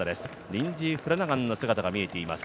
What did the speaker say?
リンジー・フラナガンの姿が見えています。